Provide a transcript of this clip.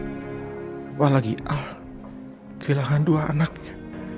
apalagi ah kehilangan dua anaknya